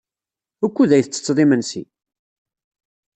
Wukud ay la tettetteḍ imensi?